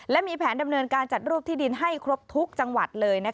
และมีแผนดำเนินการจัดรูปที่ดินให้ครบทุกจังหวัดเลย